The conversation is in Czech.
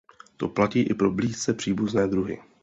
To platí i pro blízce příbuzné druhy.